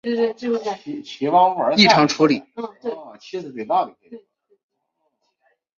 异常处理